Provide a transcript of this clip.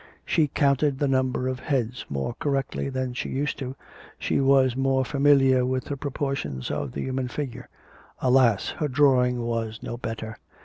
She counted the number of heads more correctly than she used to, she was more familiar with the proportions of the human figure. Alas! her drawing was no better.